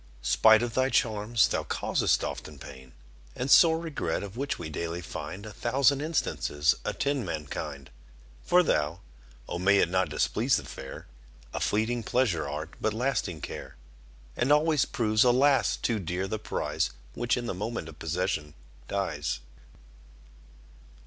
Spite of thy charms, thou causest often pain And sore regret, of which we daily find A thousand instances attend mankind: For thou O may it not displease the fair A fleeting pleasure art, but lasting care. And always proves, alas! too dear the prize, Which, in the moment of possession, dies.